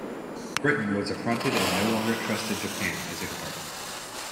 Britain was affronted and no longer trusted Japan as a partner.